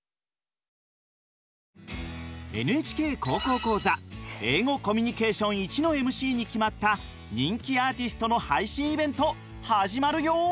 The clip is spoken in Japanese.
「ＮＨＫ高校講座英語コミュニケーションⅠ」のＭＣに決まった人気アーティストの配信イベント始まるよ！